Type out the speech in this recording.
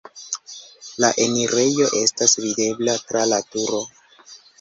La enirejo estas videbla tra la turo.